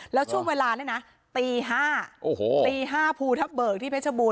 แล้วช่วงเวลาเนี่ยนะตีห้าโอ้โหตีห้าภูทับเบิกที่เพชรบูรณ์